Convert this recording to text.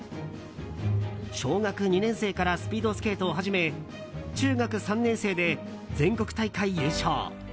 小学２年生からスピードスケートを始め中学３年生で全国大会優勝。